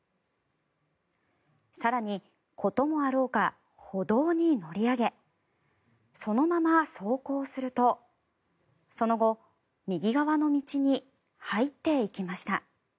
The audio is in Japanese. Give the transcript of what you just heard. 更に、こともあろうか歩道に乗り上げそのまま走行するとその後、右側の道に入っていきました。